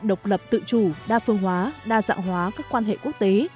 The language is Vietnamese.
độc lập tự chủ đa phương hóa đa dạng hóa các quan hệ quốc tế